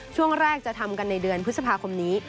ช่วงแรกจะทำกันในเดือนพฤษภาคมนี้